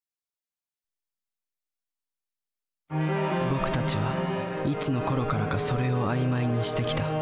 僕たちはいつのころからか「それ」を曖昧にしてきた。